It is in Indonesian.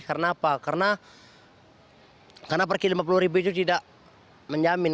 karena apa karena rp lima puluh itu tidak menjamin